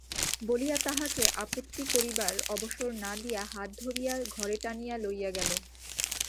বলিয়া তাঁহাকে আপত্তি করিবার অবসর না দিয়া হাত ধরিয়া ঘরে টানিয়া লইয়া গেল।